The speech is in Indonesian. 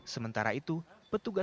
sementara itu petugasnya berada di jogja